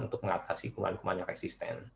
untuk mengatasi kemampuan yang resisten